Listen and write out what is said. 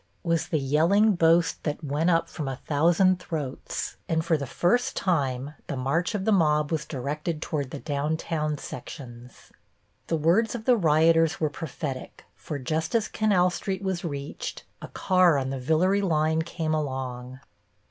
was the yelling boast that went up from a thousand throats, and for the first time the march of the mob was directed toward the downtown sections. The words of the rioters were prophetic, for just as Canal Street was reached a car on the Villere line came along.